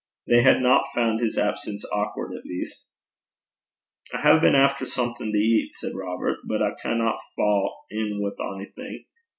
They had not found his absence awkward at least. 'I hae been efter something to eat,' said Robert; 'but I canna fa' in wi' onything.